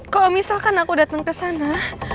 kalau misalkan aku datang ke sana